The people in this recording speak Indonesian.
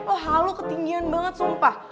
lo halu ketinggian banget sumpah